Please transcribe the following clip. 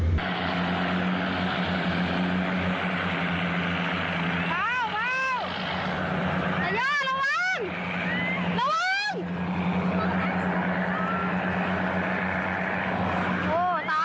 โอ้ยจกมเหล้า